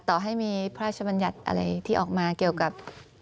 ต่อให้มีพระราชบัญญัติอะไรที่ออกมาเกี่ยวกับ